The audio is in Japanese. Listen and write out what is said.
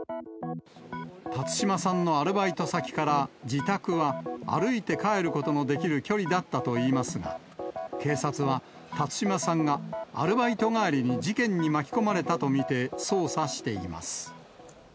辰島さんのアルバイト先から自宅は歩いて帰ることのできる距離だったといいますが、警察は、辰島さんがアルバイト帰りに事件に巻き込まれたと見て捜査しています。